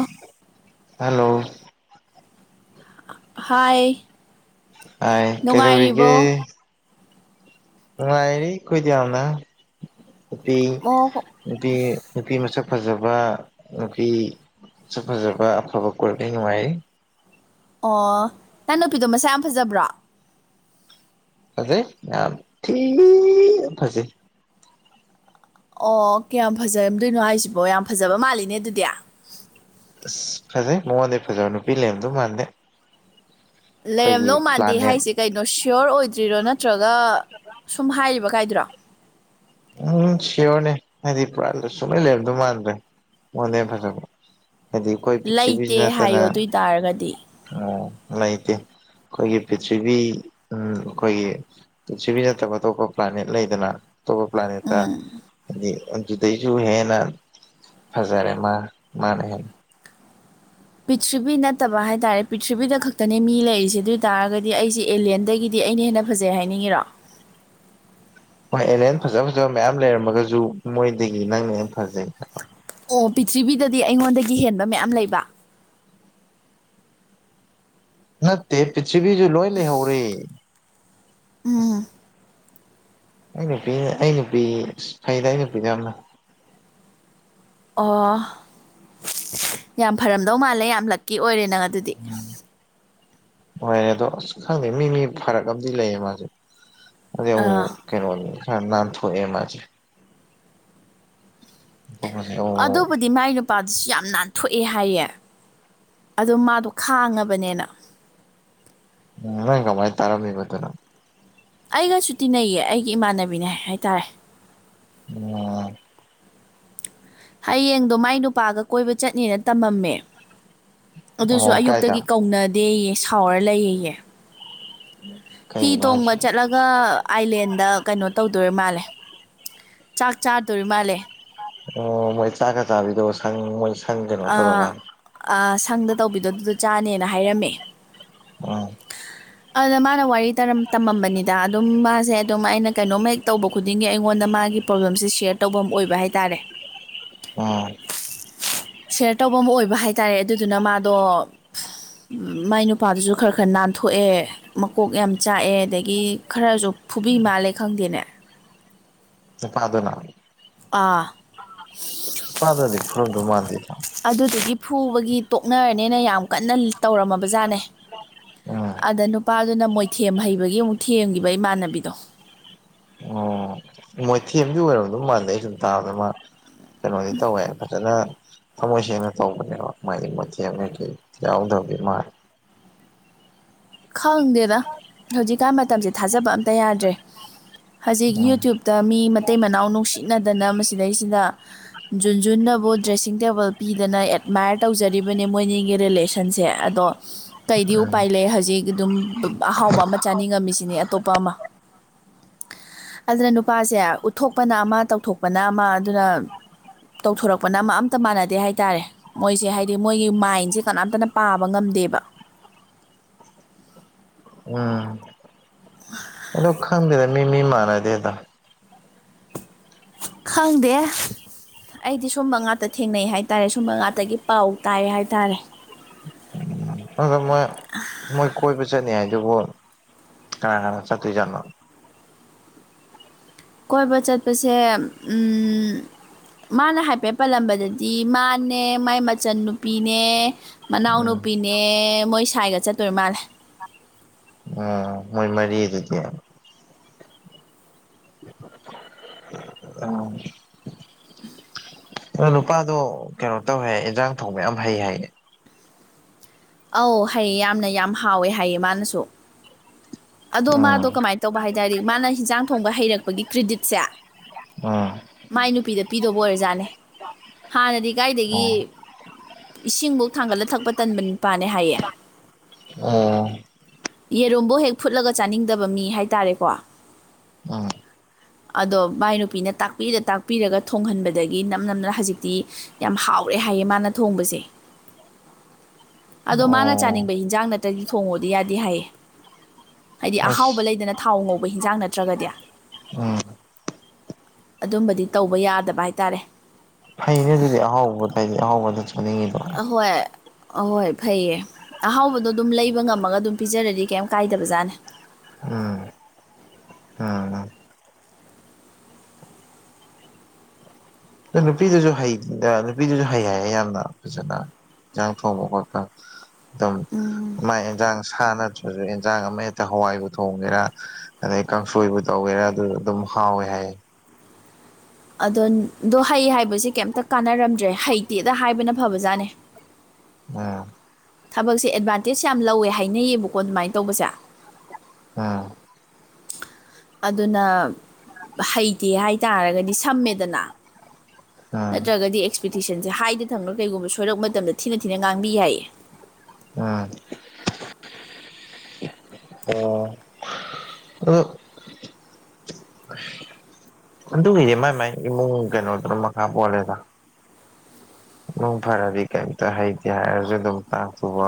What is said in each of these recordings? ꯑꯣ ꯍꯜꯂꯣ ꯍꯥꯏ ꯍꯥꯏ ꯅꯨꯡꯉꯥꯏꯔꯤꯕꯣ ꯀꯩꯗꯧꯔꯤꯒꯦ ꯅꯨꯡꯉꯥꯏꯔꯤ ꯈꯣꯏꯗꯤ ꯌꯥꯝꯅ ꯅꯨꯄꯤ ꯑꯣ ꯍꯣ ꯅꯨꯄꯤ ꯅꯨꯄꯤ ꯃꯁꯛ ꯐꯖꯕ ꯅꯨꯄꯤ ꯁꯛ ꯐꯖꯕ ꯑꯐꯕ ꯀꯣꯏꯕꯗꯩ ꯅꯨꯡꯉꯥꯏꯌꯩ ꯑꯣ ꯅꯡ ꯅꯨꯨꯄꯤꯗꯣ ꯃꯁꯛ ꯌꯥꯝ ꯐꯖꯕ꯭ꯔꯣ ꯐꯖꯩ ꯌꯥꯝ ꯊꯤꯅ ꯐꯖꯩ ꯑꯣ ꯀ꯭ꯌꯥꯝ ꯐꯖꯔꯗꯣꯏꯅꯣ ꯍꯥꯏꯁꯤꯕꯣ ꯌꯥꯝ ꯐꯖꯕ ꯃꯥꯜꯂꯤꯅꯦ ꯑꯗꯨꯗꯤ ꯑꯁ ꯐꯖꯩ ꯃꯉꯣꯟꯗ ꯐꯖꯕ ꯅꯨꯄꯤ ꯂꯩꯔꯝꯗꯧ ꯃꯥꯟꯗꯦ ꯂꯩꯔꯝꯗꯧ ꯑꯩꯈꯣꯏꯒꯤ ꯃꯥꯟꯗꯦ ꯄ꯭ꯂꯥꯅꯦꯠ ꯍꯥꯏꯁꯦ ꯀꯩꯅꯣ ꯁꯤꯌꯣꯔ ꯑꯣꯏꯗ꯭ꯔꯤꯔꯣ ꯅꯠꯇ꯭ꯔꯒ ꯁꯨꯝ ꯍꯥꯏꯔꯤꯕ ꯀꯥꯏꯗꯨꯔꯣ ꯎꯝ ꯁꯤꯌꯣꯔꯅꯦ ꯍꯥꯏꯗꯤ ꯄꯨꯔꯥꯥꯟ ꯁꯨꯡꯂꯩ ꯂꯩꯔꯝꯗꯣꯏ ꯃꯥꯟꯗ꯭ꯔꯦ ꯃꯉꯣꯟꯗꯩ ꯍꯦꯟ ꯐꯖꯕ ꯍꯥꯏꯗꯤ ꯑꯩꯈꯣꯏ ꯄ꯭ꯔꯤꯛꯊꯤꯕꯤꯁꯤ ꯂꯩꯇꯦ ꯅꯠꯇꯅ ꯍꯥꯏꯌꯣ ꯑꯗꯨ ꯑꯣꯏ ꯇꯥꯔꯒꯗꯤ ꯑꯥ ꯂꯩꯇꯦ ꯑꯩꯈꯣꯏꯒꯤ ꯄꯤꯔꯤꯊꯕꯤ ꯎꯝ ꯑꯈꯣꯏꯒꯤ ꯄ꯭ꯔꯤꯊꯤꯕꯤ ꯅꯠꯇꯕ ꯑꯇꯣꯞꯄ ꯄ꯭ꯂꯥꯅꯦꯠ ꯂꯩꯗꯅ ꯑꯇꯣꯞꯄ ꯄ꯭ꯂꯥꯅꯦꯠꯇ ꯍꯥꯏꯗꯤ ꯑꯗꯨꯗꯩꯁꯨ ꯍꯦꯟꯅ ꯐꯖꯥꯔꯦ ꯃꯥ ꯃꯥꯅ ꯍꯦꯟ ꯄ꯭ꯔꯤꯊꯤꯕꯤ ꯅꯠꯇꯕ ꯍꯥꯏꯇꯥꯥꯔꯦ ꯄ꯭ꯔꯤꯊꯤꯕꯤꯗ ꯈꯛꯇꯅꯦ ꯃꯤ ꯂꯩꯔꯤꯁꯦ ꯑꯗꯨꯏ ꯇꯥꯔꯒꯗꯤ ꯑꯩꯁꯦ ꯑꯦꯂꯦꯟꯗꯒꯤꯗꯤ ꯑꯩꯅ ꯍꯦꯟꯅ ꯐꯖꯩ ꯍꯥꯏꯅꯤꯡꯉꯤꯔꯣ ꯍꯣꯏ ꯑꯦꯅꯦꯟ ꯐꯖ ꯐꯖꯕ ꯃꯌꯥꯝ ꯂꯩꯔꯝꯃꯒꯁꯨ ꯃꯣꯏꯗꯒꯤ ꯅꯪꯅ ꯍꯦꯟ ꯐꯖꯩ ꯑꯣ ꯄ꯭ꯔꯤꯊ꯭ꯤꯕꯤꯗꯗꯤ ꯑꯩꯉꯣꯟꯗꯒꯤ ꯍꯦꯟꯕ ꯃꯌꯥꯝ ꯂꯩꯕ ꯅꯠꯇꯦ ꯄ꯭ꯔꯤꯊꯤꯕꯤꯁꯨ ꯂꯣꯏ ꯂꯩꯍꯧꯔꯦ ꯎꯝ ꯑꯩ ꯅꯨꯄꯤ ꯑꯩ ꯅꯨꯄꯤ ꯐꯩꯗ ꯑꯩ ꯅꯨꯄꯤꯗꯤ ꯌꯥꯝꯅ ꯑꯣ ꯌꯥꯝ ꯐꯔꯝꯗꯧ ꯃꯥꯜꯂꯦ ꯌꯥꯝ ꯂꯛꯀꯤ ꯑꯣꯏꯔꯦ ꯅꯪ ꯑꯗꯨꯗꯤ ꯎꯝ ꯍꯣꯏ ꯑꯗꯣ ꯑꯁ ꯈꯪꯗꯦ ꯃꯤ ꯃꯤ ꯐꯔꯛ ꯑꯝꯗꯤ ꯂꯩꯌꯦ ꯃꯥꯖꯦ ꯑꯗꯩ ꯑꯥ ꯑꯃꯨꯃꯨꯛ ꯀꯩꯅꯣ ꯈꯔ ꯅꯥꯟꯊꯣꯛ ꯑꯦꯃꯥꯁꯤ ꯑꯃꯨꯛ ꯑꯗꯨꯕꯨꯗꯤ ꯃꯥꯏ ꯅꯨꯄꯥꯗꯨꯁꯨ ꯌꯥꯝ ꯅꯥꯟꯊꯣꯛꯑꯦ ꯍꯥꯏꯌꯦ ꯑꯗꯣ ꯃꯥꯗꯣ ꯈꯥꯡꯉꯕꯅꯤꯅ ꯉꯔꯥꯡ ꯀꯃꯥꯏ ꯇꯔꯝꯃꯤꯕ ꯑꯗꯨꯅꯥ ꯑꯩꯒꯁꯨ ꯇꯤꯟꯅꯩꯌꯦ ꯑꯩꯒꯤ ꯏꯃꯥꯟꯅꯕꯤꯅꯦ ꯍꯥꯏꯇꯥꯔꯦ [unintelligible] ꯍꯌꯦꯡꯗꯣ ꯃꯥꯏ ꯅꯨꯄꯥꯒ ꯀꯣꯏꯕ ꯆꯠꯅꯤꯅ ꯇꯝꯃꯝꯃꯦ ꯑꯗꯨꯁꯨ ꯑꯣ ꯑꯌꯨꯛꯇꯒꯤ ꯀꯥꯏꯗ ꯀꯧꯅꯗꯦꯌꯦ ꯁꯥꯎꯔ ꯂꯩꯌꯦꯌꯦ [unintelligible] ꯍꯤ ꯇꯣꯡꯕ ꯆꯠꯂꯒ ꯑꯥꯏꯂꯦꯟꯗ ꯀꯩꯅꯣ ꯇꯧꯗꯣꯔꯤ ꯃꯥꯜꯂꯦ ꯆꯥꯛ ꯆꯥꯗꯣꯔꯤ ꯃꯥꯜꯂꯦ ꯑꯣ ꯃꯣꯏ ꯆꯥꯛꯒ ꯆꯥꯕꯤꯗꯣ ꯁꯪ ꯃꯣꯏꯪ ꯑ ꯑꯡꯁꯪꯗ ꯇꯧꯕꯤꯗꯣ ꯑꯗꯨꯗꯣ ꯆꯥꯅꯤꯅ ꯍꯥꯏꯔꯝꯃꯦ ꯑ ꯑꯗ ꯃꯥꯅ ꯋꯥꯔꯤ ꯇꯧꯔꯝ ꯇꯝꯃꯝꯕꯅꯤꯗ ꯑꯗꯨꯝ ꯃꯥꯁꯦ ꯑꯗꯨꯝ ꯑꯩꯅ ꯀꯩꯅꯣꯝꯃ ꯍꯦꯛ ꯇꯧꯕ ꯈꯨꯗꯤꯡꯒꯤ ꯑꯩꯉꯣꯟꯗ ꯃꯥꯒꯤ ꯄ꯭ꯔꯣꯕ꯭ꯂꯦꯝꯁꯦ ꯁꯤꯌꯔ ꯇꯧꯕꯝ ꯑꯣꯏꯕ ꯍꯥꯏꯇꯥꯔꯦ ꯑ ꯁꯌꯔ ꯇꯧꯕ ꯑꯃ ꯑꯣꯏꯕ ꯍꯥꯏꯇꯥꯔꯦ ꯑꯗꯨꯗꯨꯅ ꯃꯥꯗꯣ ꯃꯥꯏ ꯅꯨꯄꯥꯗꯨꯁꯨ ꯈꯔ ꯈꯔ ꯅꯥꯟꯊꯣꯛꯑꯦ ꯃꯀꯣꯛ ꯌꯥꯝ ꯆꯥꯛꯑꯦ ꯑꯗꯒꯤ ꯈꯔꯖꯨ ꯐꯨꯕꯤ ꯃꯥꯜꯂꯦ ꯈꯪꯗꯦꯅꯦ ꯅꯨꯄꯥꯗꯨꯅ ꯑꯥ [unintelligible] ꯅꯨꯄꯥꯗꯨꯅꯗꯤ ꯐꯨꯔꯝꯗꯧ ꯃꯥꯟꯗꯦꯗ ꯑꯗꯨꯗꯨꯒꯤ ꯐꯨꯕꯒꯤ ꯇꯣꯛꯅꯔꯅꯤꯅ ꯌꯥꯝ ꯀꯟꯅ ꯇꯧꯔꯝꯃꯕ ꯖꯥꯠꯅꯦ ꯎꯝ ꯑꯗ ꯅꯨꯄꯥꯗꯨꯅ ꯃꯣꯏꯊꯦꯝ ꯍꯩꯕꯒꯤ ꯑꯃꯨꯛ ꯊꯦꯝꯒꯤꯕ ꯏꯃꯥꯟꯅꯕꯤꯗꯣ ꯃꯣꯏꯊꯦꯝꯗꯤ ꯑꯣꯏꯔꯝꯗꯧ ꯃꯥꯟꯗꯦ ꯑꯩ ꯁꯨꯝ ꯇꯥꯕꯗ ꯃ ꯀꯩꯅꯣꯗꯤ ꯇꯧꯋꯦ ꯍꯥꯏ ꯐꯖꯅ ꯊꯃꯣꯏꯁꯦꯡꯅ ꯇꯧꯕꯅꯦꯕ ꯃꯥꯒꯤ [unintelligible] ꯌꯥꯎꯗꯕꯗꯤ ꯃꯥꯂꯦ ꯈꯪꯗꯦꯗ ꯍꯧꯖꯤꯛꯀꯥꯟ ꯃꯇꯝꯁꯦ ꯊꯥꯖꯕ ꯑꯝꯇ ꯌꯥꯗ꯭ꯔꯦ ꯍꯧꯖꯤꯛ ꯎꯝ ꯌꯨꯇ꯭ꯌꯨꯨꯞ ꯇ ꯃꯤ ꯃꯇꯩ ꯃꯅꯥꯎ ꯅꯨꯡꯁꯤꯅꯗꯅ ꯃꯁꯤꯗꯩꯁꯤꯗ ꯖꯨꯟ ꯖꯨꯟꯅꯕꯨ ꯗ꯭ꯔꯦꯁꯤꯡ ꯇꯦꯕꯜ ꯄꯤꯗꯅ ꯑꯦꯗꯃꯥꯏꯌꯔ ꯇꯧꯖꯔꯤꯕꯅꯦ ꯃꯣꯏꯅꯤꯒꯤ ꯔꯤꯂꯦꯁꯟ ꯁꯟꯁꯦ ꯑꯗꯣ ꯀꯩꯗꯤ ꯎꯝ ꯎꯄꯥꯏ ꯂꯩ ꯍꯖꯤꯛ ꯗꯨꯝ ꯑꯍꯥꯎꯕ ꯑꯃ ꯆꯥꯅꯤꯡꯉꯝꯃꯤꯁꯤꯅꯦ ꯑꯇꯣꯞꯄ ꯑꯃ ꯑꯗꯨꯅ ꯅꯨꯄꯥꯁꯦ ꯎꯠꯊꯣꯛꯄꯅ ꯑꯃ ꯇꯧꯊꯣꯛꯄꯅ ꯑꯃ ꯑꯗꯨꯅ ꯇꯧꯊꯣꯔꯛꯄꯅ ꯑꯃ ꯑꯝꯇ ꯃꯥꯟꯅꯗꯦ ꯍꯥꯏꯇꯥꯔꯦ ꯃꯣꯏꯁꯦ ꯍꯥꯏꯗꯤ ꯃꯣꯏꯒꯤ ꯃꯥꯏꯟꯁꯦ ꯀꯅꯥꯝꯇꯅ ꯄꯥꯕ ꯉꯝꯗꯦꯕ ꯎꯝ [unintelligible] ꯗꯣ ꯈꯪꯗꯦꯗ ꯃꯤ ꯃꯤ ꯃꯥꯟꯅꯗꯦꯗ ꯈꯪꯗꯦ ꯑꯩꯗꯤ ꯁꯨꯝꯕ ꯉꯥꯛꯇ ꯊꯦꯡꯅꯩ ꯍꯥꯏꯇꯥꯔꯦ ꯁꯨꯝꯕ ꯉꯥꯛꯇꯒꯤ ꯄꯥꯎ ꯇꯥꯏ ꯍꯥꯏꯇꯥꯔꯦ ꯑꯣ ꯃꯣꯏ ꯃꯣꯏ ꯀꯣꯏꯕ ꯆꯠꯅꯤ ꯍꯥꯏꯗꯨꯕꯨ ꯀꯅꯥ ꯀꯅꯥ ꯆꯠꯇꯣꯏꯖꯥꯠꯅꯣ ꯀꯣꯏꯕ ꯆꯠꯄꯁꯦ ꯎꯝ ꯃꯥꯅ ꯍꯥꯏꯐꯦꯠ ꯄꯜꯂꯝꯕꯗꯗꯤ ꯃꯥꯅꯦ ꯃꯥꯏ ꯃꯆꯟꯅꯨꯄꯤꯅꯦ ꯎꯝ ꯃꯅꯥꯎꯅꯨꯄꯤꯅꯦ ꯃꯣꯏ ꯁꯥꯏꯒ ꯆꯠꯇꯣꯏ ꯃꯥꯜꯂꯦ ꯑ [unintelligible] ꯃꯣꯢ ꯃꯔꯤ ꯑꯗꯨꯗꯤ [unintelligible] ꯅꯨꯄꯥꯗꯣ ꯀꯩꯅꯣ ꯇꯧꯋꯦ ꯍꯥꯢ ꯏꯟꯖꯥꯡ ꯊꯣꯡꯕ ꯌꯥꯝ ꯍꯩ ꯍꯥꯏꯌꯦ ꯑꯧ ꯍꯩ ꯌꯥꯝꯅ ꯌꯥꯝ ꯍꯥꯎꯋꯦ ꯍꯥꯏꯌꯦ ꯃꯥꯅꯁꯨ ꯑꯗꯣ ꯃꯥꯗꯣ ꯎꯝ ꯀꯃꯥꯏꯅ ꯇꯧꯕ ꯍꯥꯏꯇꯥꯔꯗꯤ ꯃꯥꯅ ꯍꯤꯟꯖꯥꯡ ꯊꯣꯡꯕ ꯍꯩꯔꯛꯄꯒꯤ ꯀ꯭ꯔꯤꯗꯤꯠꯁꯦ ꯑ ꯃꯥꯏ ꯅꯨꯄꯤꯗ ꯄꯤꯗꯧꯕ ꯑꯣꯏꯔꯖꯥꯠꯅꯦ ꯍꯥꯟꯅꯗꯤ ꯀꯥꯏꯗꯒꯤ ꯏꯁꯤꯡꯕꯧ ꯊꯥꯡꯒꯠꯂ ꯊꯛꯄ ꯇꯟꯕ ꯅꯨꯄꯥꯅꯦ ꯍꯥꯏꯌꯦ ꯎꯝ ꯌꯦꯔꯨꯝꯕꯧ ꯍꯦꯛ ꯐꯨꯠꯂꯒ ꯆꯥꯅꯤꯡꯗꯕ ꯃꯤ ꯍꯥꯏꯇꯥꯔꯦꯀꯣ [unintelligible] ꯑꯗꯣ ꯃꯥꯏ ꯅꯨꯄꯤꯅ ꯇꯥꯛꯄꯤꯔ ꯇꯥꯛꯄꯤꯔꯒ ꯊꯣꯡꯍꯟꯕꯗꯒꯤ ꯅꯝ ꯅꯝꯅ ꯍꯧꯖꯤꯛꯇꯤ ꯌꯥꯝ ꯍꯥꯎꯔꯦ ꯍꯥꯏꯌꯦ ꯃꯥꯅ ꯊꯣꯡꯕꯁꯦ꯫ ꯑꯗꯣ ꯃꯥꯅ ꯑꯣ ꯆꯥꯅꯤꯡꯕ ꯍꯤꯟꯖꯥꯡ ꯅꯠꯇ꯭ꯔꯗꯤ ꯊꯣꯡꯉꯣꯗꯤ ꯌꯥꯗꯦ ꯍꯥꯏꯌꯦ ꯍꯥꯏꯗꯤ ꯑꯍꯥꯎꯕ ꯑꯁ ꯂꯩꯗꯅ꯫ ꯊꯥꯎ ꯉꯧꯕ ꯍꯤꯟꯖꯥꯡ ꯅꯠꯇ꯭ꯔꯒꯗꯤ꯫ ꯎꯝ꯫ ꯑꯗꯨꯝꯕꯗꯤ ꯇꯧꯕ ꯌꯥꯗꯕ ꯍꯥꯏꯇꯥꯔꯦ꯫ ꯐꯩꯅꯦ ꯑꯗꯨꯗꯤ ꯑꯍꯥꯎ [unintelligible] ꯑꯍꯥꯎꯕꯗ ꯆꯠꯅꯤꯡꯉꯤꯗꯣ꯫ ꯍꯣꯏ ꯑꯍꯣꯏ ꯐꯩꯌꯦ꯫ ꯑꯍꯥꯎꯕꯗꯣ ꯑꯗꯨꯝ ꯂꯩꯕ ꯉꯝꯃꯒ ꯑꯗꯨꯝ ꯄꯤꯖꯔꯗꯤ ꯀꯩꯝ ꯀꯥꯏꯗꯕ ꯖꯥꯠꯅꯦ ꯎꯝ ꯎꯝ ꯑꯗꯣ ꯑ ꯅꯨꯄꯤꯗꯨꯁꯨ ꯅꯨꯄꯤꯗꯨꯁꯨ ꯍꯩ ꯍꯥꯏꯌꯦ ꯌꯥꯝꯅ ꯐꯖꯅ ꯟꯥꯡ ꯊꯣꯡꯕ ꯈꯣꯠꯄ ꯑꯗꯨꯝ ꯃꯥꯏ ꯑꯦꯟꯖꯥꯡ ꯁꯅ ꯑꯗꯨ ꯏꯟꯖꯥꯡ ꯑꯃ ꯍꯦꯛꯇ ꯍꯋꯥꯏꯕꯨ ꯊꯣꯡꯒꯦꯔꯥ ꯑꯗꯩ ꯀꯥꯡꯁꯣꯏꯕꯨ ꯇꯧꯒꯦꯔꯥ ꯑꯗꯨ ꯑꯗꯨꯝ ꯍꯥꯎꯋꯦ ꯍꯥꯏꯌꯦ ꯑꯗꯣꯗꯣ ꯍꯩ ꯍꯥꯏꯕꯁꯤ ꯀꯩꯝꯇ ꯀꯥꯟꯅꯔꯝꯗ꯭ꯔꯦ ꯍꯩꯇꯦꯗ ꯍꯥꯏꯕꯅ ꯐꯕꯖꯥꯠꯅꯦ꯫ [unintelligible] ꯊꯕꯛꯁꯦ ꯑꯦꯗꯚꯥꯟꯇꯦꯖ ꯌꯥꯝ ꯂꯧꯋꯦ ꯍꯥꯏꯅꯩꯌꯦꯕꯀꯣ ꯑꯗꯨꯃꯥꯏꯅ ꯇꯧꯕꯁꯦ ꯎꯝ ꯑꯗꯨꯅ ꯍꯩꯇꯦ ꯍꯥꯏꯇꯥꯔꯒꯗꯤ ꯁꯝꯃꯦꯗꯅ ꯎꯝ ꯅꯠꯇ꯭ꯔꯒꯗꯤ ꯑꯦꯛꯁꯄꯦꯛꯇꯦꯁꯟꯁꯦ ꯍꯥꯏꯗ ꯊꯪꯕ ꯀꯩꯒꯨꯝꯕ ꯁꯣꯏꯔꯛꯄ ꯃꯇꯝꯗ ꯊꯤꯅ ꯊꯤꯅ ꯉꯥꯡꯕꯤ ꯌꯥꯏꯌꯦ ꯎꯝ ꯑꯣ ꯑꯗꯨ ꯑꯗꯨꯒꯤꯗꯤ ꯃꯥꯏ ꯃꯥꯏ ꯏꯃꯨꯡ ꯀꯩꯅꯣꯗꯨꯅ ꯃꯈꯥ ꯄꯣꯜꯂꯦꯗ ꯅꯨꯡ ꯐꯔꯗꯤ ꯀꯩꯝꯇ ꯍꯩꯇꯦ ꯍꯥꯏꯔꯒ ꯑꯗꯨꯝ ꯇꯥꯛꯇꯨꯕ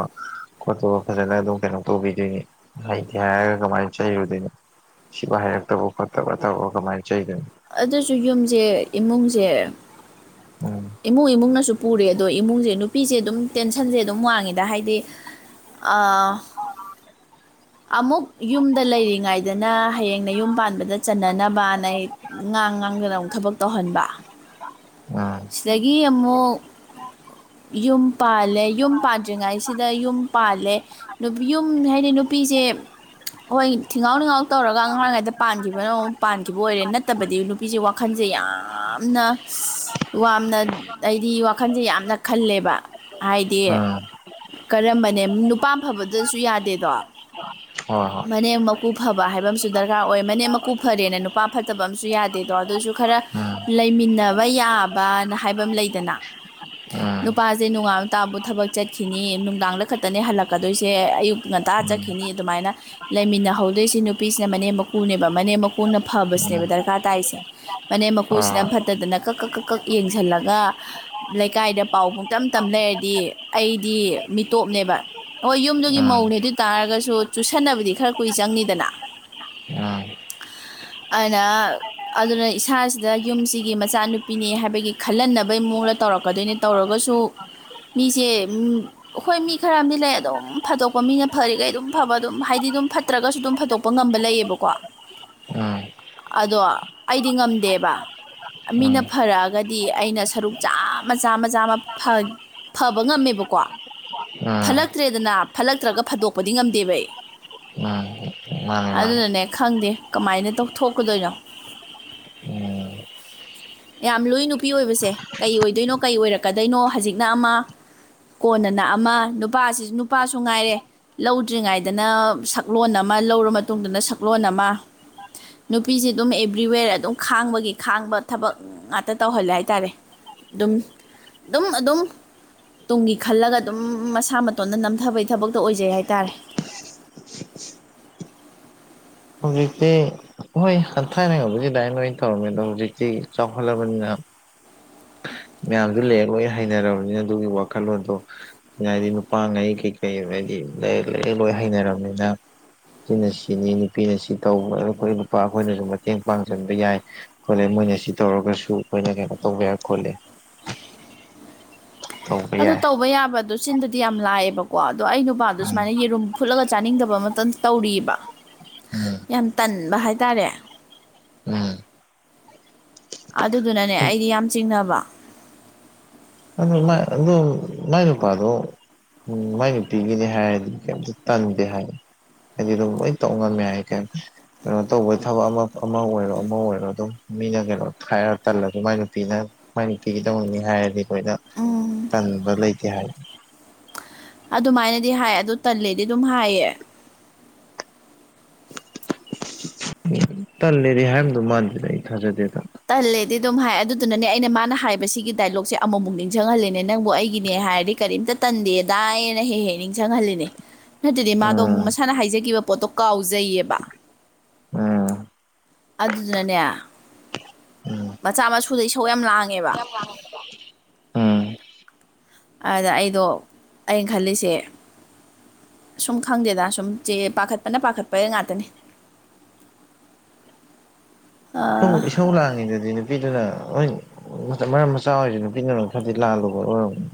ꯈꯣꯠꯇꯣꯞ ꯐꯖꯅ ꯑꯗꯨꯝ ꯀꯩꯅꯣ ꯇꯧꯕꯤꯗꯣꯏꯅꯤ ꯍꯩꯇꯦ ꯍꯥꯏꯔꯒ ꯀꯃꯥꯏꯅ ꯆꯩꯔꯨꯗꯩꯅꯣ ꯁꯤꯕꯨ ꯍꯥꯏꯩꯔꯛꯇꯕ ꯈꯣꯠꯇꯕ ꯇꯕ ꯀꯃꯥꯏꯅ ꯆꯩꯗꯣꯏꯅꯣ ꯑꯗꯨꯁꯨ ꯌꯨꯝꯖ‌ꯦ ꯏꯃꯨꯡꯖ‌ꯦ ꯎꯝ ꯏꯃꯨꯡ ꯏꯃꯨꯡꯅꯁꯨ ꯄꯨꯔꯦ ꯑꯗꯣ ꯏꯃꯨꯡꯁꯦ ꯅꯨꯄꯤꯁꯦ ꯑꯗꯨꯝ ꯇꯦꯟꯁꯟꯁꯦ ꯑꯗꯨꯝ ꯋꯥꯡꯉꯤꯗ ꯍꯥꯏꯗꯤ ꯑꯥ [inaudible] ꯑꯃꯨꯛ ꯌꯨꯝꯗ ꯂꯩꯔꯤꯉꯩꯗꯅ ꯍꯌꯦꯡꯅ ꯅꯌꯨꯝ ꯄꯥꯟꯕꯗ ꯆꯟꯅꯅꯕꯅ ꯑꯩ ꯉꯥꯡ ꯉꯥꯡꯗꯅ ꯑꯃꯨꯛ ꯊꯕꯛ ꯇꯧꯍꯟꯕ ꯎꯝ ꯁꯤꯗꯒꯤ ꯑꯃꯨꯛ ꯌꯨꯝ ꯄꯥꯜꯂꯦ ꯌꯨꯝ ꯄꯥꯟꯗ꯭ꯔꯤꯉꯩꯁꯤꯗ ꯌꯨꯝ ꯄꯥꯜꯂꯦ ꯅꯨꯄꯤ ꯌꯨꯝ ꯍꯥꯏꯗꯤ ꯅꯨꯄꯤꯁꯦ ꯍꯣꯏ ꯊꯤꯉꯥꯎ ꯅꯤꯉꯥꯎ ꯇꯧꯔꯒ ꯑꯉꯥꯡꯑꯣꯏꯔꯤꯉꯩꯗ ꯄꯥꯟꯈꯤꯕꯅ ꯑꯃꯨꯛ ꯄꯥꯟꯈꯤꯕ ꯑꯣꯏꯔꯦ ꯅꯠ ꯇꯕꯗꯤ ꯅꯨꯄꯤꯖ‌ꯦ ꯋꯥꯈꯟꯖ‌ꯦ ꯌꯥꯝꯅ ꯁꯁ ꯋꯥꯅ ꯇꯞ ꯑꯩꯗꯤ ꯋꯥꯈꯟꯖꯦ ꯌꯥꯝꯅ ꯈꯜꯂꯦꯕ ꯍꯥꯏꯗꯤ ꯑ ꯀꯔꯝꯕꯅꯦ ꯅꯨꯄꯥ ꯐꯕꯗꯁꯨ ꯌꯥꯗꯦꯗꯣ ꯍꯣꯏ ꯍꯣꯏ ꯃꯅꯝ ꯃꯀꯨ ꯐꯕ ꯍꯥꯏꯕ ꯑꯃꯁꯨ ꯗꯔꯀꯥꯔ ꯑꯣꯏ ꯃꯅꯦꯝ ꯃꯀꯨ ꯐꯔꯦꯅ ꯅꯨꯄꯥ ꯐꯠꯇꯕ ꯑꯃꯁꯨ ꯌꯥꯗꯦꯗꯣ ꯑꯗꯨꯁꯨ ꯈꯔ ꯎꯝ ꯂꯩꯃꯤꯟꯅꯕ ꯌꯥꯕꯅ ꯍꯥꯏꯕ ꯑꯃ ꯂꯩꯗꯅ ꯎꯝ ꯅꯨꯄꯥꯁꯦ ꯅꯨꯡꯉꯥꯕ ꯇꯥꯕꯨ ꯊꯕꯛ ꯆꯠꯈꯤꯅꯤ ꯅꯨꯡꯗꯥꯡꯗ ꯈꯛꯇꯅꯦ ꯍꯜꯂꯛꯀꯗꯣꯏꯁꯦ ꯑꯌꯨꯛ ꯉꯟꯇꯥ ꯆꯠꯈꯤꯅꯤ ꯑꯗꯨꯃꯥꯏꯅ ꯂꯩꯃꯤꯟꯅꯍꯧꯗꯣꯏꯁꯤ ꯅꯨꯄꯤꯁꯤꯅ ꯃꯅꯦꯝ ꯃꯀꯨꯅꯦꯕ ꯃꯅꯦꯝ ꯃꯀꯨꯅ ꯍꯣꯏ ꯐꯕꯁꯤꯅꯦꯕ ꯗꯔꯀꯥꯔ ꯇꯥꯏꯁꯦ ꯐꯅꯦꯝ ꯃꯀꯨꯁꯤꯅ ꯐꯠꯇꯗꯅ ꯀꯛ ꯀꯛ ꯀꯛ ꯌꯦꯡꯁꯜꯂꯒ ꯂꯩꯀꯥꯏꯗ ꯄꯥꯎ ꯄꯨꯡ ꯇꯞ ꯇꯞ ꯂꯩꯔꯗꯤ ꯑꯩꯗꯤ ꯃꯤꯇꯣꯞꯅꯦꯕ ꯍꯣꯏ ꯌꯨꯝꯗꯨꯒꯤ ꯃꯧꯅꯦ ꯑꯗꯨ ꯑꯣꯏ ꯇꯥꯔꯒꯁꯨ ꯆꯨꯁꯟꯅꯕꯗꯤ ꯈꯔ ꯀꯨꯏ ꯆꯪꯅꯤꯗꯅ [unintelligible] [unintelligible] ꯑꯗꯨꯅ ꯏꯁꯥꯁꯤꯗ ꯌꯨꯝꯁꯤꯒꯤ ꯃꯆꯥꯅꯨꯄꯤꯅꯤ ꯍꯥꯏꯕꯒꯤ ꯈꯜꯍꯟꯅꯕꯩ ꯃꯑꯣꯡꯗ ꯇꯧꯔꯛꯀꯗꯣꯏꯅꯤ ꯇꯧꯔꯒꯁꯨ ꯃꯤꯁꯦ ꯑꯩꯈꯣꯏ ꯃꯤ ꯈꯔ ꯑꯃꯗꯤ ꯂꯩ ꯑꯗꯨꯝ ꯐꯠꯇꯣꯛꯄ ꯃꯤꯅ ꯐꯔꯤꯈꯩ ꯑꯗꯨꯝ ꯐꯕ ꯑꯗꯨꯝ ꯍꯥꯏꯗꯤ ꯑꯗꯨꯝ ꯐꯠꯇ꯭ꯔꯒꯁꯨ ꯑꯗꯨꯝ ꯐꯠꯇꯣꯛꯄ ꯉꯝꯕ ꯂꯩꯌꯦꯕꯀꯣ ꯎꯝ ꯑꯗꯣ ꯑꯩꯗꯤ ꯉꯝꯗꯦꯕ ꯎꯝ ꯃꯤꯅ ꯐꯔꯛꯑꯒꯗꯤ ꯑꯩꯅ ꯁꯔꯨꯛ ꯆꯥꯝꯃ ꯆꯥꯝꯃ ꯆꯥꯝꯃ ꯐ ꯐꯕ ꯉꯝꯃꯦꯕꯀꯣ ꯎꯝ ꯎꯝ ꯎꯝ ꯐꯠꯂꯛꯇ꯭ꯔꯦꯗꯅ ꯐꯠꯂꯛꯇ꯭ꯔꯒ ꯐꯗꯣꯛꯄꯗꯤ ꯉꯝꯗꯦꯕ ꯑꯩ ꯎꯝ [unintelligible] ꯑꯗꯨꯅꯅꯦ ꯈꯪꯗꯦ ꯀꯃꯥꯏꯅ ꯇꯧꯊꯣꯛꯀꯗꯣꯏꯅꯣ ꯑꯝ ꯌꯥꯝ ꯂꯨꯏ ꯅꯨꯄꯤ ꯑꯣꯏꯕꯁꯦ ꯀꯩ ꯑꯣꯏꯗꯣꯏꯅꯣ ꯀꯩ ꯑꯣꯏꯔꯛꯀꯗꯣꯏꯅꯣ ꯍꯧꯖꯤꯛꯅ ꯑꯃ ꯀꯣꯟꯅꯅ ꯑꯃ ꯅꯨꯄꯥꯁꯤꯁꯨ ꯅꯨꯄꯥꯁꯨ ꯉꯥꯏꯔꯦ ꯂꯧꯗ꯭ꯔꯤꯉꯥꯏꯗ ꯑꯗꯨꯗꯅ ꯁꯛꯂꯣꯟ ꯑꯃ ꯂꯧꯔ ꯃꯇꯨꯡꯗꯅ ꯁꯛꯂꯣꯟ ꯑꯃ ꯅꯨꯄꯤꯁ ꯑꯗꯨꯝ ꯑꯦꯚ꯭ꯔꯤꯋꯦꯔ ꯑꯗꯨꯝ ꯈꯥꯡꯕꯒꯤ ꯈꯥꯡꯕ ꯊꯕꯛ ꯉꯥꯛꯇ ꯇꯧꯍꯜꯂꯦ ꯍꯥꯏꯇꯥꯔꯦ ꯑꯗꯨꯝ ꯑꯗꯨꯝ ꯑꯗꯨꯝ ꯇꯨꯡꯒꯤ ꯈꯜꯂꯒ ꯑꯗꯨꯝ ꯃꯁꯥ ꯃꯇꯣꯟꯗ ꯅꯝꯊꯕꯩ ꯊꯕꯛꯇ ꯑꯣꯏꯖꯩ ꯍꯥꯏꯇꯥꯔꯦ ꯍꯧꯖꯤꯛꯇꯤ ꯍꯣꯏ ꯍꯟꯊꯥꯏꯅꯉꯧꯕꯒꯤ ꯂꯥꯏꯅ ꯂꯣꯏ ꯇꯧꯔꯝꯃꯦ ꯑꯗꯣ ꯍꯧꯖꯤꯛꯇꯤ ꯆꯥꯎꯈꯠꯂꯕꯅꯤꯅ ꯃꯌꯥꯝꯗꯨ ꯂꯔ ꯂꯣꯏ ꯍꯩꯅꯔꯕꯅꯤꯅ ꯑꯗꯨꯒꯤ ꯋꯥꯈꯜꯂꯣꯟꯗꯣ ꯍꯥꯏꯗꯤ ꯅꯨꯄꯥꯉꯩ ꯀꯩꯀꯩ ꯍꯥꯏꯗꯤ ꯂꯩ ꯂꯥꯏꯔꯛ ꯂꯣꯏ ꯍꯩꯅꯔꯕꯅꯤꯅ ꯁꯤꯅ ꯁꯤꯅꯤ ꯅꯨꯄꯤꯅ ꯁꯤ ꯇꯧꯕ ꯑꯩꯈꯣꯏ ꯅꯨꯄꯥ ꯑꯩꯈꯣꯏꯅꯖꯨ ꯃꯇꯦꯡ ꯄꯥꯡꯖꯟꯕ ꯌꯥꯏ ꯈꯣꯠꯂꯦ ꯃꯣꯏꯅ ꯁꯤ ꯇꯧꯔꯒꯁꯨ ꯑꯩꯈꯣꯏꯅ ꯀꯩꯅꯣ ꯇꯧꯕ ꯌꯥꯏ ꯈꯣꯠꯂꯦ ꯇꯧꯕ ꯑꯗꯨ ꯌꯥꯏ ꯇꯧꯕ ꯌꯥꯕ ꯑꯗꯨꯁꯨ ꯍꯆꯤꯟꯗꯗꯤ ꯌꯥꯝ ꯂꯥꯛꯑꯦꯕꯀꯣ ꯑꯗꯣ ꯑꯩ ꯅꯨꯄꯥꯗꯣ ꯎꯝ ꯁꯨꯃꯥꯏꯅ ꯌꯦꯔꯨꯝ ꯐꯨꯠꯂꯒ ꯆꯥꯅꯤꯡꯗꯕ ꯃꯇꯝ ꯇꯧꯔꯤꯑꯕ [inaudible] ꯌꯥꯝ ꯇꯟꯕ ꯍꯥꯏꯇꯥꯔꯦ ꯎꯝ ꯑꯗꯨꯗꯨꯅꯅꯦ ꯑꯩꯗꯤ ꯌꯥꯝ ꯆꯤꯡꯅꯕ ꯑꯗꯨ ꯑꯗꯨ ꯃꯥꯏ ꯅꯨꯄꯥꯗꯣ ꯎꯝ ꯃꯥꯏ ꯅꯨꯄꯤꯒꯤꯅꯤ ꯍꯥꯏꯔꯗꯤ ꯀꯩꯝꯇ ꯇꯟꯗꯦ ꯍꯥꯏ ꯍꯥꯏꯗꯤ ꯑꯗꯨꯝ ꯂꯣꯏ ꯇꯧ ꯉꯝꯃꯦ ꯍꯥꯏ ꯀꯩ ꯀꯩꯅꯣ ꯇꯧꯕꯩ ꯊꯕꯛ ꯑꯃ ꯑꯃ ꯑꯣꯏꯔꯣ ꯑꯃ ꯑꯣꯏꯔꯣ ꯑꯗꯨꯝ ꯃꯤꯅ ꯀꯩꯅꯣ ꯊꯥꯏꯔꯒ ꯇꯜꯂꯁꯨ ꯃꯥꯏ ꯅꯨꯄꯤꯅ ꯃꯥꯏ ꯅꯨꯄꯤꯒꯤꯗꯧꯅꯤꯡꯅꯤ ꯍꯥꯏꯔꯗꯤ ꯑꯩꯈꯣꯏꯅ ꯎꯝ ꯇꯟꯕ ꯂꯩꯇꯦ ꯍꯥꯏ ꯑꯗꯨꯃꯥꯏꯅꯗꯤ ꯍꯥꯏ ꯑꯗꯨ ꯇꯜꯂꯦꯗꯤ ꯑꯗꯨꯝ ꯍꯥꯏꯌꯦ ꯇꯜꯂꯦꯗꯤ ꯍꯥꯏꯕꯗꯨ ꯃꯥꯟꯗꯗ ꯑꯩ ꯊꯥꯖꯗꯦꯗ ꯇꯜꯂꯦꯗꯤ ꯑꯗꯨꯝ ꯍꯥꯏ ꯑꯗꯨꯗꯨꯅꯅꯦ ꯑꯩꯅ ꯃꯥꯅ ꯍꯥꯏꯕ ꯁꯤꯒꯤ ꯗꯥꯏꯂꯣꯛꯁꯦ ꯑꯃꯃꯨꯛ ꯅꯤꯡꯁꯤꯡꯍꯜꯂꯦꯅꯦ ꯅꯪꯕꯨ ꯑꯩꯒꯤꯅꯦ ꯍꯥꯏꯔꯗꯤ ꯀꯔꯤꯝꯇ ꯇꯟꯗꯦꯗꯥꯏꯅ ꯍꯦꯛ ꯍꯦꯛ ꯅꯤꯡꯁꯤꯡꯍꯜꯂꯤꯅꯦ ꯅꯠꯇꯗꯤ ꯃꯥꯗꯣ ꯑꯃꯨꯛ ꯎꯝ ꯃꯁꯥꯅ ꯍꯥꯏꯖꯈꯤꯕ ꯄꯣꯠꯇꯣ ꯀꯥꯎꯖꯩꯌꯦꯕ ꯎꯝ ꯑꯗꯨꯗꯨꯅꯅꯦ ꯃꯆꯥ ꯃꯁꯨꯗꯩ ꯁꯧ ꯌꯥꯝ ꯂꯥꯡꯉꯦꯕ ꯑ [unintelligible] ꯑꯗ ꯑꯩꯗꯣ ꯑꯩꯅ ꯈꯜꯂꯤꯁꯦ ꯁꯨꯝ ꯈꯪꯗꯦꯗ ꯁꯨꯝ ꯆꯦ ꯄꯥꯈꯠꯄꯅ ꯄꯥꯈꯠꯄ ꯉꯥꯛꯇꯅꯤ [unintelligible] ꯏꯁꯧ ꯂꯥꯡꯉꯤꯗꯨꯗꯤ ꯅꯨꯄꯤꯗꯨꯅ ꯍꯣꯏ ꯃꯔꯝ ꯃꯆꯥ ꯑꯣꯏꯔꯤꯁꯨ ꯅꯨꯄꯤꯗꯨꯅ ꯂꯣꯏ ꯈꯔꯗꯤ ꯂꯥꯜꯂꯨꯕ ꯑꯣꯏꯔꯝꯅꯤ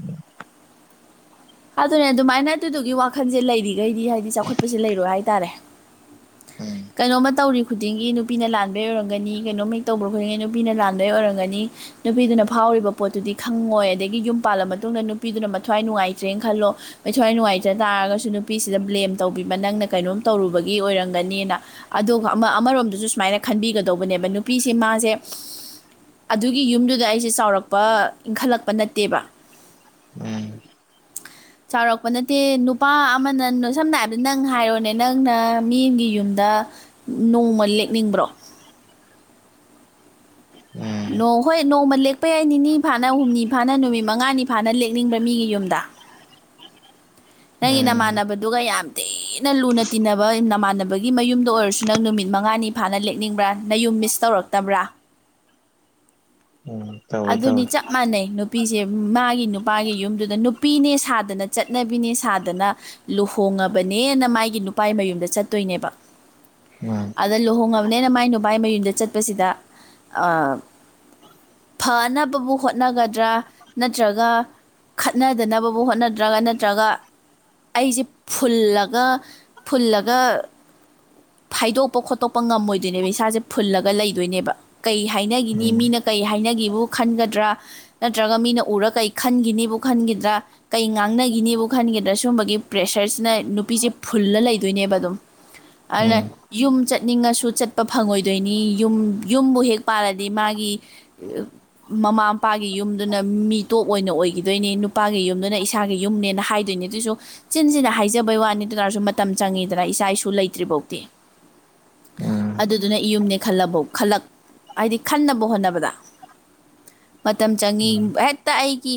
ꯑꯗꯨꯅꯦ ꯑꯗꯨꯃꯥꯏꯅ ꯑꯗꯨꯗꯨꯒꯤ ꯋꯥꯈꯜꯁꯦ ꯂꯩꯔꯤꯈꯩꯗꯤ ꯍꯥꯏꯗꯤ ꯆꯥꯎꯈꯠꯄꯁꯦ ꯂꯩꯔꯣꯏ ꯍꯥꯏꯇꯥꯔꯦ ꯎꯝ ꯀꯩꯅꯣꯝꯃ ꯇꯧꯔꯤ ꯈꯨꯗꯤꯡꯒꯤ ꯅꯨꯄꯤꯅ ꯂꯥꯟꯕꯩ ꯑꯣꯏꯔꯝꯒꯅꯤ ꯀꯩꯅꯣꯝꯃ ꯇꯧꯕ ꯈꯨꯗꯤꯡꯒꯤ ꯅꯨꯄꯤꯅ ꯂꯥꯟꯕꯩ ꯑꯣꯏꯔꯝꯒꯅꯤ ꯅꯨꯄꯤꯗꯨꯅ ꯐꯥꯎꯔꯤꯕ ꯄꯣꯠꯇꯨꯗꯤ ꯈꯪꯉꯣꯏ ꯑꯗꯒꯤ ꯌꯨꯝ ꯄꯥꯜꯂ ꯃꯇꯨꯡꯗ ꯅꯨꯄꯤꯗꯨꯅ ꯃꯊ꯭ꯋꯥꯏ ꯅꯨꯡꯉꯥꯏ ꯆꯅ ꯈꯜꯂꯣ ꯃꯩꯁ꯭ꯋꯥꯏ ꯅꯨꯡꯉꯥꯏꯖ ꯇꯥꯔꯒꯁꯨ ꯅꯨꯄꯤꯁꯤꯗ ꯕ꯭ꯂꯦꯝ ꯇꯧꯕꯤꯕ ꯅꯪꯅ ꯀꯩꯅꯣꯝ ꯇꯧꯔꯨꯕꯒꯤ ꯑꯣꯏꯔꯝꯒꯅꯤꯅ ꯑꯗꯨꯒ ꯑꯃ ꯑꯃꯔꯣꯝꯗꯁꯨ ꯁꯨꯃꯥꯏꯅ ꯈꯟꯕꯤꯒꯗꯧꯕꯅꯦꯕ ꯅꯨꯄꯤꯁꯦ ꯃꯥꯁꯦ ꯑꯗꯨꯒꯤ ꯌꯨꯝꯗꯨꯗ ꯑꯩꯁꯦ ꯆꯥꯎꯔꯛꯄ ꯏꯟꯈꯠꯂꯛꯄ ꯅꯠꯇꯦꯕ ꯎꯝ ꯆꯥꯎꯔꯛꯄ ꯅꯠꯇꯦ ꯅꯨꯄꯥ ꯑꯃꯅ ꯁꯝꯅ ꯍꯥꯏꯔꯕꯗ ꯅꯪ ꯍꯥꯏꯔꯣꯅꯦ ꯅꯪꯅ ꯃꯤꯒꯤ ꯌꯨꯝꯗ ꯅꯣꯡꯃ ꯂꯦꯛꯅꯤꯡꯕ꯭ꯔꯣ ꯎꯝ ꯎꯝ ꯅꯣꯡ ꯍꯣꯏ ꯅꯣꯡꯃ ꯂꯦꯛꯄ ꯌꯥꯏ ꯅꯤꯅꯤ ꯐꯥꯅ ꯍꯨꯝꯅꯤ ꯐꯥꯅ ꯅꯨꯃꯤꯠ ꯃꯉꯥꯅꯤ ꯐꯥꯅ ꯂꯦꯛꯅꯤꯡꯕ꯭ꯔꯥ ꯃꯤꯒꯤ ꯌꯨꯝꯗ ꯅꯪꯒꯤ ꯅꯃꯥꯟꯅꯕꯗꯨꯒ ꯌꯥꯝ ꯊꯤꯅ ꯂꯨꯅ ꯇꯤꯟꯅꯕ ꯅꯃꯥꯟꯅꯕꯒꯤ ꯃꯌꯨꯝꯗ ꯑꯣꯏꯔꯁꯨ ꯅꯪ ꯅꯨꯃꯤꯠ ꯃꯉꯥꯅꯤ ꯐꯥꯅ ꯂꯦꯛꯅꯤꯡꯕ꯭ꯔꯥ ꯅ ꯌꯨꯝ ꯃꯤꯁ ꯇꯧꯔꯛꯇꯕ꯭ꯔꯥ ꯎꯝ ꯇꯧꯋꯦ ꯑꯗꯨꯅꯤ ꯇꯧꯋꯦ ꯆꯞ ꯃꯥꯟꯅꯩ ꯅꯨꯄꯤꯁꯦ ꯃꯥꯒꯤ ꯅꯨꯄꯥꯒꯤ ꯌꯨꯝꯗꯨꯗ ꯅꯨꯄꯤꯅꯦ ꯁꯥꯗꯅ ꯆꯠ ꯆꯠꯅꯕꯤꯅꯦ ꯁꯥꯗꯅ ꯂꯨꯍꯣꯡꯉꯕꯅꯦꯅ ꯃꯥꯒꯤ ꯅꯨꯄꯥꯥꯏ ꯃꯌꯨꯝꯗ ꯆꯠꯇꯣꯏꯅꯦꯕ ꯎꯝ ꯑꯗ ꯂꯨꯍꯣꯡꯉꯕꯅꯤꯅ ꯃꯥꯏ ꯅꯨꯕꯥꯥꯏ ꯃꯌꯨꯝꯗ ꯆꯠꯄꯁꯤꯗ ꯐꯅꯕꯕꯨ ꯍꯣꯠꯅꯒꯗ꯭ꯔꯥ ꯅꯠꯇ꯭ꯔꯒ ꯈꯠꯅꯗꯅꯕꯕꯨ ꯍꯣꯠꯅꯗ꯭ꯔꯒ ꯅꯠꯇ꯭ꯔꯒ ꯑꯩꯁꯦ ꯐꯨꯜꯂꯒ ꯐꯨꯜꯂꯒ ꯐꯥꯏꯗꯣꯛꯄ ꯈꯣꯠꯇꯣꯛꯄ ꯉꯝꯃꯣꯏꯗꯣꯏꯅꯦꯕ ꯏꯁꯥꯁꯦ ꯐꯨꯜꯂꯒ ꯂꯩꯗꯣꯏꯅꯦꯕ ꯀꯩ ꯍꯥꯏꯅꯈꯤꯅꯤ ꯎꯝ ꯃꯤꯅ ꯀꯩ ꯍꯥꯏꯅꯒꯤꯕꯨ ꯈꯟꯒꯗ꯭ꯔꯥ ꯅꯠꯇ꯭ꯔꯒ ꯃꯤꯅ ꯎꯔ ꯀꯔꯤ ꯈꯟꯈꯤꯅꯤꯕꯨ ꯈꯟꯈꯤꯗ꯭ꯔꯥ ꯀꯩ ꯉꯥꯡꯅꯈꯤꯅꯤꯕꯨ ꯈꯟꯒꯗ꯭ꯔꯥ ꯁꯨꯝꯕꯒꯤ ꯄ꯭ꯔꯦꯁꯔꯁꯤꯅ ꯅꯨꯄꯤꯁꯦ ꯐꯨꯜꯂ ꯂꯩꯗꯣꯏꯅꯦꯕ ꯑꯗꯨꯝ ꯑꯅꯦ ꯎꯝ ꯌꯨꯝ ꯆꯠꯅꯤꯡꯉꯁꯨ ꯆꯠꯄ ꯐꯪꯉꯣꯏꯗꯣꯏꯅꯤ ꯌꯨꯝ ꯌꯨꯝꯕꯨ ꯍꯦꯛ ꯄꯥꯜꯂꯗꯤ ꯃꯥꯒꯤ ꯑꯦ ꯃꯃꯥ ꯃꯄꯥꯒꯤ ꯌꯨꯝꯗꯨꯅ ꯃꯤꯇꯣꯞ ꯑꯣꯏꯅ ꯑꯣꯏꯈꯤꯗꯣꯏꯅꯦ ꯅꯨꯄꯥꯒꯤ ꯌꯨꯝꯗꯨꯅ ꯏꯁꯥꯒꯤ ꯌꯨꯝꯅꯦꯅ ꯍꯥꯏ ꯑꯗꯨꯏꯅꯦ ꯑꯗꯨꯑꯣꯁꯨ ꯆꯤꯟꯁꯤꯅ ꯍꯥꯏꯖꯕꯩ ꯋꯥꯅꯤ ꯑꯗꯨꯅꯔꯁꯨ ꯃꯇꯝ ꯆꯪꯉꯤꯗꯅ ꯏꯆꯥ ꯏꯁꯨ ꯂꯩꯇ ꯇ꯭ꯔꯤꯄꯧꯇꯤ ꯎꯝ ꯑꯗꯨꯗꯨꯅ ꯌꯨꯝꯅꯦ ꯈꯜꯂꯕꯨꯧ ꯈꯜꯂꯛ ꯍꯥꯏꯗꯤ ꯈꯟꯅꯕ ꯍꯣꯠꯅꯕꯗ ꯃꯇꯝ ꯆꯪꯏ ꯎꯝ ꯍꯦꯛꯇ ꯑꯩꯒꯤ